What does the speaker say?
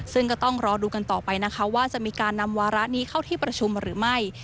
ซึ่งก็ต้องรอดูกันต่อไปนะคะว่าจะมีการนำวาระนี้เข้าที่ประชุมหรือไม่